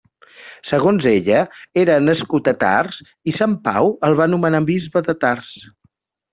Segons ella, era nascut a Tars, i Sant Pau el va nomenar bisbe de Tars.